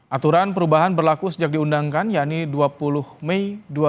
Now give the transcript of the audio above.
aturan perubahan berlaku sejak diundangkan yaitu dua puluh mei dua ribu dua puluh